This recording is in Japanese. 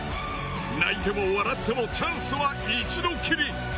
泣いても笑ってもチャンスは一度きり。